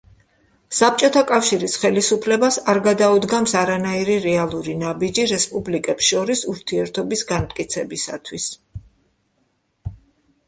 საბჭოთა კავშირის ხელისუფლებას არ გადაუდგამს არანაირი რეალური ნაბიჯი რესპუბლიკებს შორის ურთიერთობის განმტკიცებისათვის.